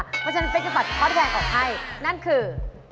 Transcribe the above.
เพราะฉะนั้นเป๊กจะบัดทอดแรงออกให้นั่นคือ